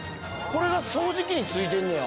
これが掃除機に付いてんねや。